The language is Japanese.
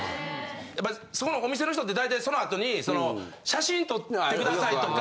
やっぱりそこのお店の人って大体その後に写真撮ってくださいとか。